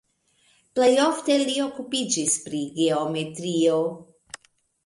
Plej ofte li okupiĝis pri geometrio.